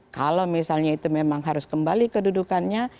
kalau misalnya itu memang harus kembali kedudukannya